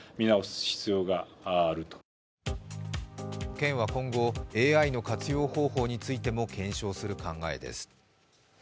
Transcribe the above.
県は今後、ＡＩの活用方法についても検証する考えです。